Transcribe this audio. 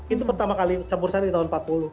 itu pertama kali campur saya di tahun empat puluh